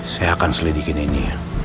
saya akan selidikin ini